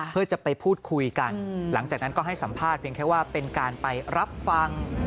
เพื่อจะไปพูดคุยกันหลังจากนั้นก็ให้สัมภาษณ์เพียงแค่ว่าเป็นการไปรับฟัง